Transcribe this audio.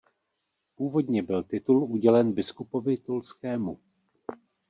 Původně byl titul udělen biskupovi toulskému.